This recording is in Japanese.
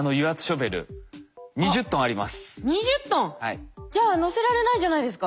２０トン！じゃあ載せられないじゃないですか。